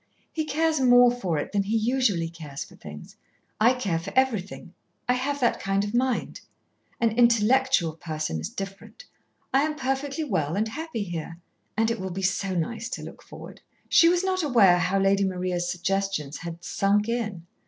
"He cares more for it than he usually cares for things. I care for everything I have that kind of mind; an intellectual person is different. I am perfectly well and happy here. And it will be so nice to look forward." She was not aware how Lady Maria's suggestions had "sunk in."